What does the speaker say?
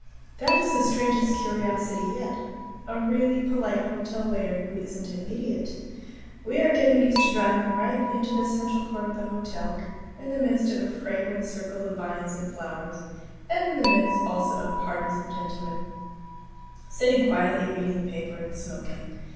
That is the strangest curiosity yet a really polite hotel waiter who isn't an idiot. We are getting used to driving right into the central court of the hotel, in the midst of a fragrant circle of vines and flowers, and in the midst also of parties of gentlemen sitting quietly reading the paper and smoking.